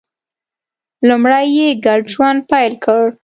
لومړی یې ګډ ژوند پیل کړ